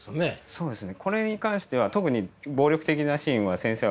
そうですね。